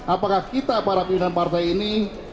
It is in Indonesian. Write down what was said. apakah kita para pimpinan partai ini